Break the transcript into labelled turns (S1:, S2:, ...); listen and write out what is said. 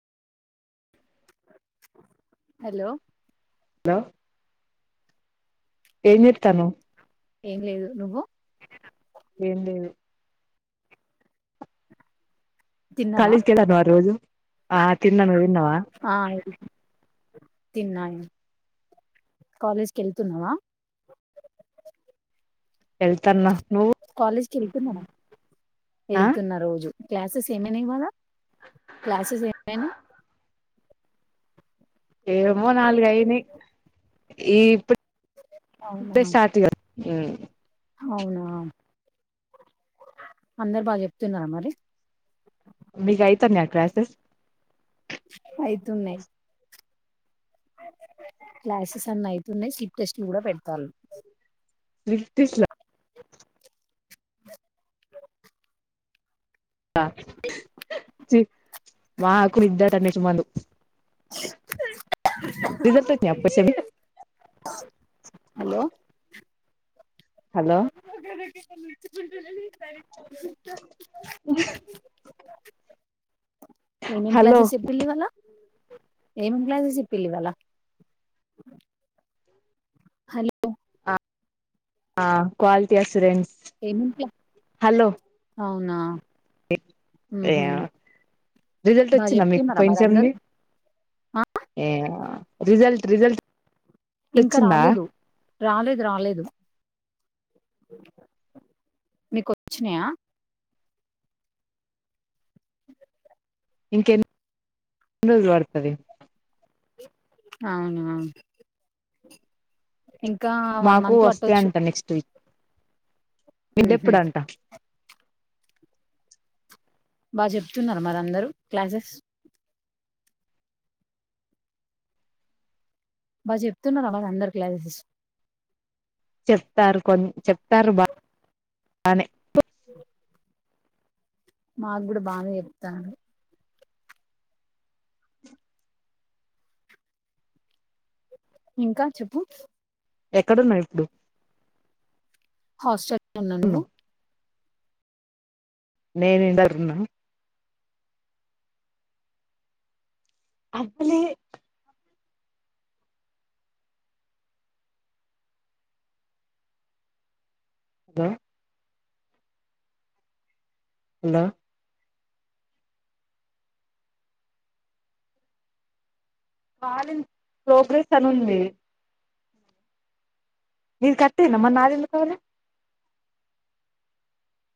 S1: Hello
S2: hello ఏం చెత్తన్నావు
S1: ఏం లేదు నువ్వు
S2: ఏం లేదు.
S1: తిన్నావా
S2: కాలేజ్ కి వెళ్ళావా రోజు ఆ తిన్న నువు తిన్నవా?
S1: తిన్నాయి కాలేజ్ కు వెళ్తున్నావా?
S2: ఏల్తాన్నా
S1: కాలేజ్కి వెళ్తున్నవ
S2: ఆ
S1: వెళ్తున్నా రోజు క్లాసెస్ ఏమైనయి ఇవాళ క్లాసెస్ ఏమయినయి
S2: ఏమో నాలుగు అయినయి ఈ ఇప్పు డే స్టార్ట్ కదా మ్మ్
S1: హవునా అందరు బాగా చెప్తున్నారా మరి
S2: మీగ అయితన్నాయా క్లాసెస్?
S1: అయితున్నాయి. క్లాసెస్ అన్న అయితున్నాయి స్లిప్ టెస్ట్లు కూడా పెడతారు.
S2: స్లిప్ టెస్ట్ల ఆ చు మాకు నిద్ద తనే చుమందు రిజల్ట్ ఒచ్చినయ అప్పుడే సేమ్ వి
S1: హలో
S2: హలో
S1: ఏమేం
S2: హలో
S1: క్లాసెస్ చెప్పిళివ్వాల ఏమేం క్లాసెస్ ఇప్పిళివ్వాల హలో
S2: అ ఆ క్వాలిటీ ఎన్సూరెన్స్
S1: ఏం అవునా ఉహు
S2: యా రిజల్ట్
S1: బాగా
S2: వచ్చిందా మీకు
S1: చెప్తున్నారా
S2: పోయిన
S1: మరి
S2: సేమ్
S1: అందరు
S2: వి
S1: ఆ
S2: ఏ రిజల్ట్ రిజల్ట్
S1: ఇంకా
S2: వచ్చిందా
S1: రాలేదు రాలేదు రాలేదు మీకు వచ్చినాయా
S2: ఇంకా ఎన్ని రోజులు పడుతది
S1: అవునా ఇంకా వన్
S2: మాకు
S1: మంత్ పట్టొచ్చు హుహు.
S2: మీదేప్పుడంట
S1: బాగా చెప్తున్నారు మరి అందరూ క్లాసెస్ బా చెప్తున్నార మరి అందరూ క్లాసెస్
S2: చెప్తారు కొ చెప్తారు బా బానే
S1: మాకు కూడా బానే చెప్తారు ఇంకా చెప్పు
S2: ఎక్కడున్నావ్ ఇప్పుడు
S1: హాస్టల్ లో ఉన్నా నువ్వు
S2: నేను ఇందర్ఉన్న అదులే అద హలో వాలిన్ ప్రోగ్రెస్ అని ఉంది నిధి కట్టిన్రూ మర్ నది ఎందుక్ కలె